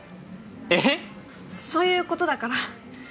えっ⁉そういうことだから。